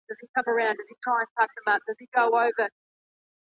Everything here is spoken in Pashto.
که په يوه بستره کي ورسره پريوځي هم مخ دي نه ور اړوي.